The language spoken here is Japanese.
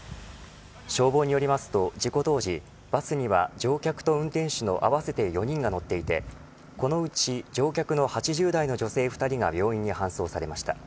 消防によりますと事故当時バスには乗客と運転手の合わせて４人が乗っていてこのうち乗客の８０代の女性２人が病院に搬送されました。